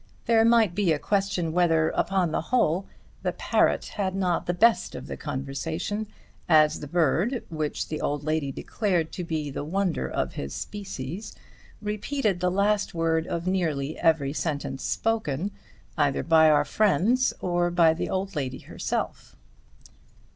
There might be a question whether, upon the whole, the parrot had not the best of the conversation, as the bird, which the old lady declared to be the wonder of his species, repeated the last word of nearly every sentence spoken either by our friends or by the old lady herself.